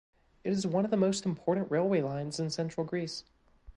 It is one of the most important railway lines in Central Greece.